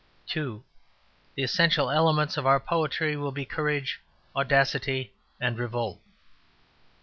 2. The essential elements of our poetry will be courage, audacity, and revolt.